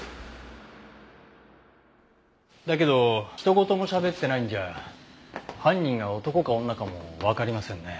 だけどひと言もしゃべってないんじゃ犯人が男か女かもわかりませんね。